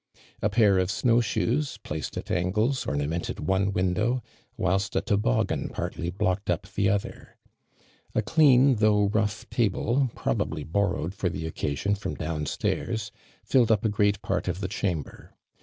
A pair of snowshoes, placed at angles, orna mented one window, whilst a toboggin partly blocked up the other. A clean, though rough table, probably boiTowed for the occasion from down stairs, filled np a great part of the chamber.